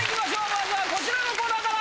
まずはこちらのコーナーから！